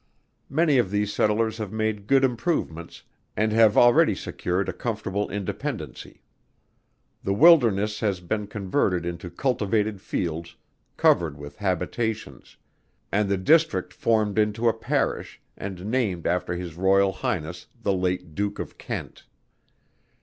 Many of these settlers have made good improvements, and have already secured a comfortable independency. The wilderness has been converted into cultivated fields, covered with habitations; and the district formed into a Parish, and named after his Royal Highness the late Duke of Kent.